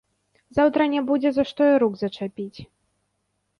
Заўтра не будзе за што і рук зачапіць.